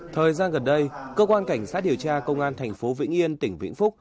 thời gian gần đây cơ quan cảnh sát điều tra công an thành phố vĩnh yên tỉnh vĩnh phúc